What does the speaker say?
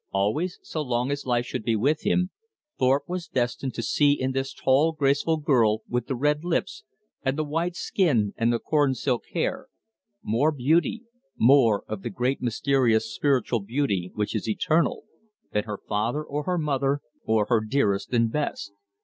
Always, so long as life should be with him, Thorpe was destined to see in this tall graceful girl with the red lips and the white skin and the corn silk hair, more beauty, more of the great mysterious spiritual beauty which is eternal, than her father or her mother or her dearest and best.